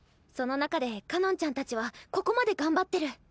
その中でかのんちゃんたちはここまで頑張ってる。